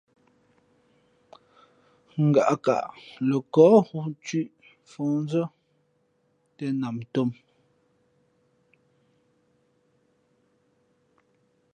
Ngaʼkaʼ lαkάά hu thʉ̄ʼ mfα̌hnzᾱ tᾱ nam tōm.